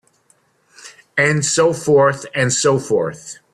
And so forth and so forth.